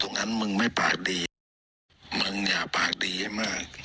แค่ปากกินน้ำข้าวที่รีม